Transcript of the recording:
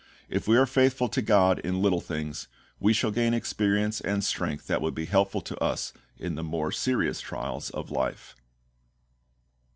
If we are faithful to GOD in little things, we shall gain experience and strength that will be helpful to us in the more serious trials of life.